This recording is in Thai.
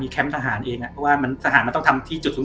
มีแคมป์ทหารเองก็ว่าทหารมันต้องทำที่จุดสูง